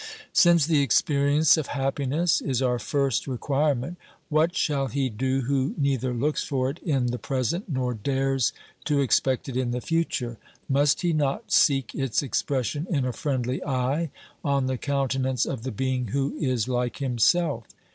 Since the experience of happiness is our first require ment, what shall he do who neither looks for it in the present nor dares to expect it in the future ? Must he not seek its expression in a friendly eye, on the countenance of the being who is like himself?